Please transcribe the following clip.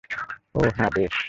ওহ, হ্যাঁ, বেশ।